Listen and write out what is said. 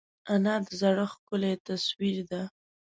انا د زړښت ښکلی تصویر ده